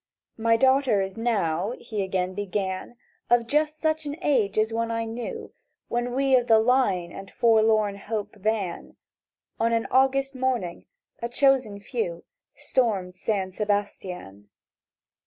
"My daughter is now," he again began, "Of just such an age as one I knew When we of the Line and Forlorn hope van, On an August morning—a chosen few— Stormed San Sebastian.